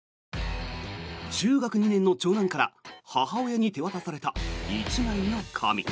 中学２年の長男から母親に手渡された１枚の紙。